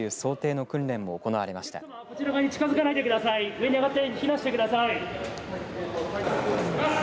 上に上がって避難してください。